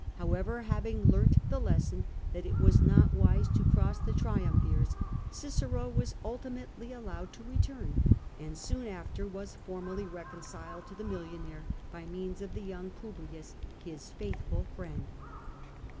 However, having learnt the lesson that it was not wise to cross the triumvirs, Cicero was ulti mately allowed to return, and soon after was formally reconciled to the millionaire by means of the young Publius, his faithful Mend.